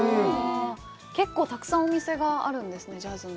結構たくさんお店があるんですね、ジャズの。